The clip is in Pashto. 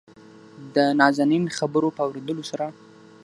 دنازنين خبرو په اورېدلو سره